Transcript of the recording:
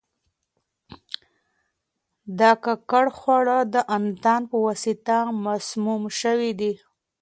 دا ککړ خواړه د انتان په واسطه مسموم شوي دي.